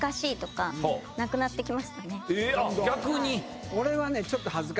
逆に。